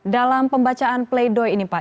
dalam pembacaan play doh ini pak